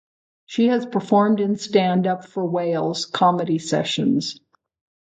She has also performed in Stand Up For Wales comedy sessions.